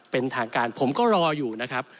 เป็นทางการผมก็รออยู่นะครับ